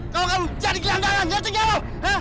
kalau nggak lu jadi gelandangan ngerti gak lo